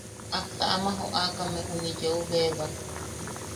Ajta ama joʼakame juni yeu bebak.